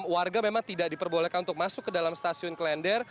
warga memang tidak diperbolehkan untuk masuk ke dalam stasiun klender